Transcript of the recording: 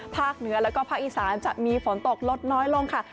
เหนือแล้วก็ภาคอีสานจะมีฝนตกลดน้อยลงค่ะ